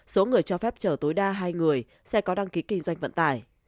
số người cho phép chở tối đa hai người xe có đăng ký kinh doanh vận tải